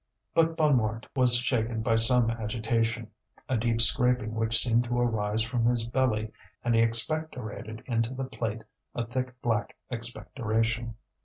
But Bonnemort was shaken by some agitation, a deep scraping which seemed to arise from his belly, and he expectorated into the plate a thick black expectoration.